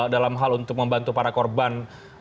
dalam hal untuk membantu para korban